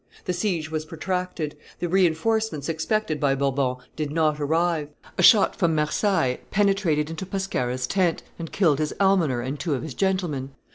The siege was protracted; the re enforcements expected by Bourbon did not arrive; a shot from Marseilles penetrated into Pescara's tent, and killed his almoner and two of his gentlemen.